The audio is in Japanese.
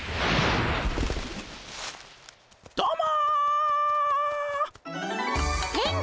どうも。